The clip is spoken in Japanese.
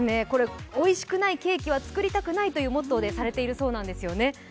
おいしくないケーキは作りたくないというモットーでされているそうなんですよね。